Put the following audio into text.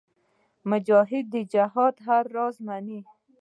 مجاهد د جهاد هر راز منې.